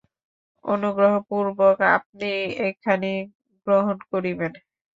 অনুগ্রহপূর্বক আপনি একখানি গ্রহণ করিবেন।